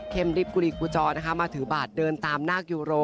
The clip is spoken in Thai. ดิบกุลีกุจอนะคะมาถือบาทเดินตามนาคยูโร